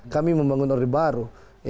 kami membangun orde baru